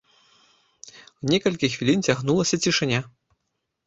Некалькі хвілін цягнулася цішыня.